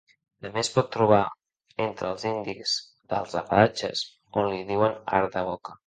També es pot trobar entre els indis dels Apalatxes, on li diuen arc de boca.